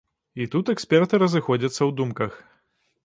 І тут эксперты разыходзяцца ў думках.